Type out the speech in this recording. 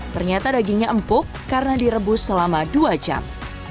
ternyata dagingnya empuk karena direbus selama dua jam